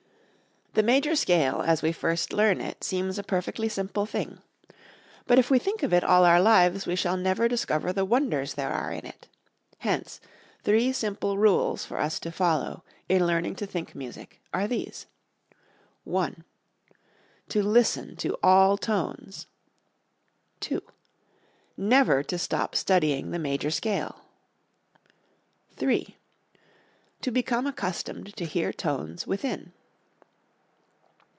_ The major scale, as we first learn it, seems a perfectly simple thing. But if we think of it all our lives we shall never discover the wonders there are in it. Hence, three simple rules for us to follow in learning to think music are these: 1. To listen to all tones. 2. Never to stop studying the major scale. 3. To become accustomed to hear tones within.